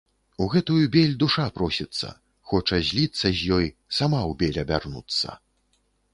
У гэтую бель душа просіцца, хоча зліцца з ёй, сама ў бель абярнуцца.